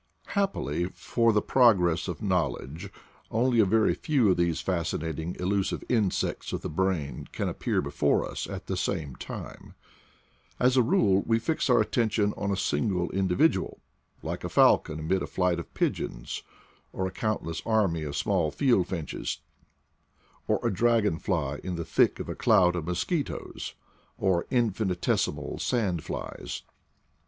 Happily for the progress of knowledge only a very few of these fascinating elusive insects of the brain can appear before us at the same time: as a rule we fix our attention on a single individual, like a falcon amid a flight of pigeons or a countless army of small field finches ; or a dragon fly in the thick of a cloud of mosquitoes, or infinitesimal sand flies.